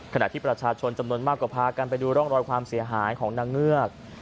ขณะที่ประชาชนจำนวนมากก็พากันไปดูร่องรอยความเสียหายของนางเงือก